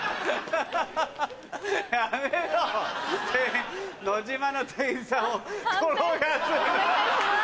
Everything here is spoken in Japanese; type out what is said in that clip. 判定お願いします。